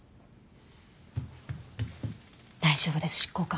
大丈夫です執行官。